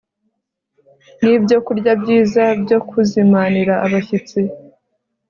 ni ibyokurya byiza byo kuzimanira abashyitsi